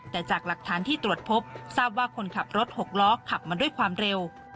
แต่จากหลักฐานที่ตรวจพบทราบว่าคนขับรถหกล้อขับมาด้วยความเร็ว